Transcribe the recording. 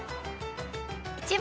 １番。